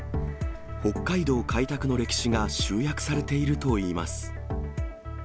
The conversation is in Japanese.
北海道開拓の歴史が集約されているといいます。